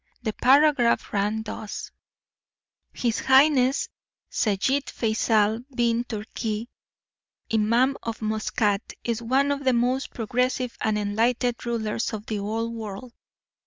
The paragraph ran thus: His Highness Seyyid Feysal bin Turkee, Imam of Muskat, is one of the most progressive and enlightened rulers of the Old World.